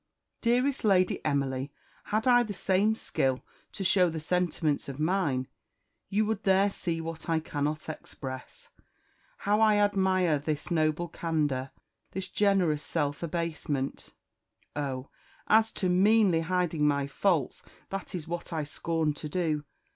"Dearest Lady Emily, had I the same skill to show the sentiments of mine, you would there see what I cannot express how I admire this noble candour, this generous self abasement " "Oh, as to meanly hiding my faults, that is what I scorn to do.